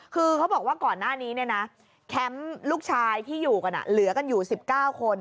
คือเขาบอกว่าก่อนหน้านี้เนี่ยนะแคมป์ลูกชายที่อยู่กันเหลือกันอยู่๑๙คน